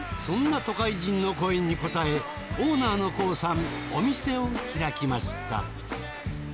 そんな都会人の声に応えオーナーのコウさんお店を開きました。